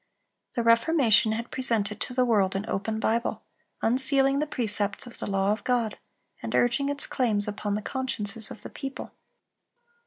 The Reformation had presented to the world an open Bible, unsealing the precepts of the law of God, and urging its claims upon the consciences of the people.